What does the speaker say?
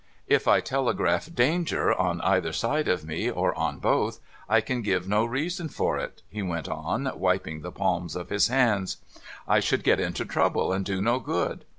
_' If I telegraph Danger, on either side of me, or on both, I can give no reason for it,' he went on, wiping the palms of his hands. ' I should get into trouble, and do no good.